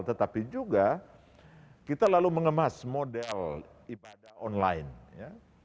tetapi juga kita lalu mengemas model ibadah online ya